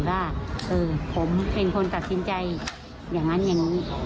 ว่าผมเป็นคนตัดสินใจอย่างนั้นอย่างนี้